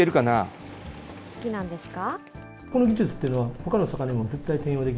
好きなんですか。